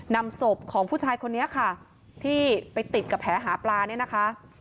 นำศพของผู้ชายคนนี้ค่ะที่ไปติดกับแผลหาปลาเนี่ยนะคะ